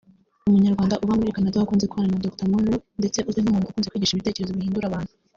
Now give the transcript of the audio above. umunyarwanda uba muri Canada wakunze kubana na Dr Munroe ndetse uzwi nk’umuntu Ukunze kwigisha ibitekerezo bihindura abantu